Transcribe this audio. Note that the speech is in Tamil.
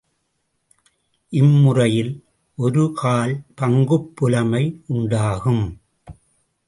இம்முறையில் ஒரு கால் பங்குப் புலமை உண்டாகும்.